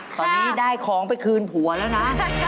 ตอนนี้ได้ของไปคืนผัวแล้วนะ